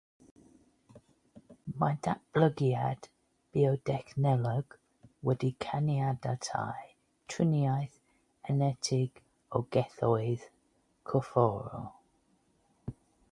Mae datblygiad biodechnoleg wedi caniatáu triniaeth enetig o gelloedd corfforol.